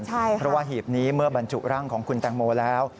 เพราะว่าหีบนี้เมื่อบรรจุร่างของคุณแตงโมแล้ว